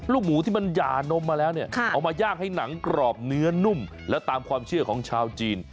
หมูที่มันหย่านมมาแล้วเนี่ยเอามาย่างให้หนังกรอบเนื้อนุ่มและตามความเชื่อของชาวจีน